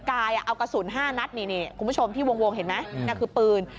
กายเอากระสุน๕นัดนี่คุณผู้ชมที่วงเห็นไหมนั่นคือปืน